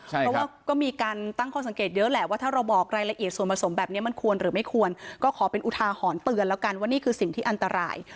เพราะว่าก็มีการตั้งข้อสังเกตเยอะแหละว่าถ้าเราบอกรายละเอียดส่วนผสมแบบนี้มันควรหรือไม่ควรก็ขอเป็นอุทาหรณ์เตือนแล้วกันว่านี่คือสิ่งที่อันตราย